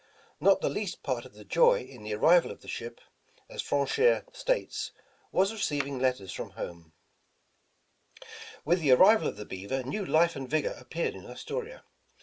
Not the least part of the joy in the ar rival of the ship, as Franchere states, was receiving let ters from home. 196 Despatches to Mr. Astor With the arrival of the Beaver new life and vigor appeared in Astoria.